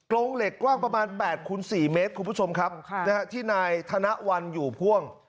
ลงเหล็กกว้างประมาณ๘คูณ๔เมตรคุณผู้ชมครับที่นายธนวัลอยู่พ่วง